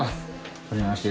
はじめまして。